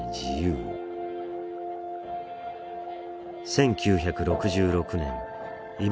１９６６年イヴ